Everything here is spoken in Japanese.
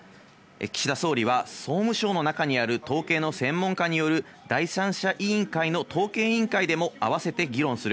岸田総理は総務省の中にある統計の専門家による第三者委員会の統計委員会でも合わせて議論する。